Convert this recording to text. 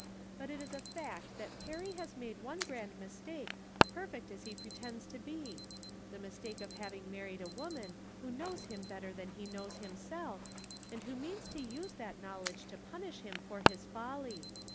But it is a fact that Perry has made one grand mis take, perfect as he pretends to be — the mistake of having married a woman who knows him bet ter than he knows himself, and who means to use that knowledge to punish him for his folly.